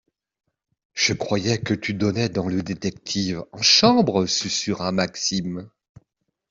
Je croyais que tu donnais dans le détective en chambre ? susurra Maxime.